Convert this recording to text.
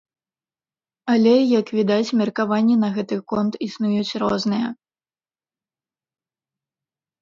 Але, як відаць, меркаванні на гэты конт існуюць розныя.